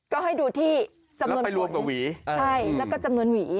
ก็ให้ดูที่จำนวนหวีแล้วก็จำนวนหวี